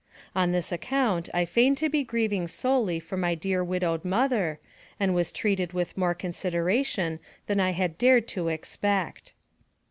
On this account I feigned to be grieving solely for my dear widowed mother, and was treated with more consideration than I had dared to expect.